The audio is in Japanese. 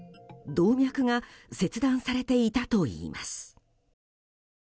動脈が切断されていたといいます。